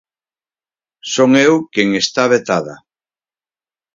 Son eu quen está vetada.